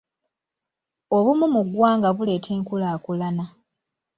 Obumu mu ggwanga buleeta enkulaakulana.